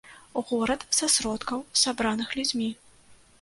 Горад са сродкаў, сабраных людзьмі.